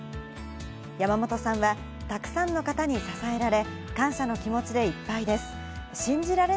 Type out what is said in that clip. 山本さんはたくさんの方に支えられ、感謝の気持ちでいっぱいです。